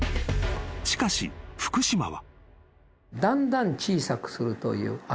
［しかし福島は］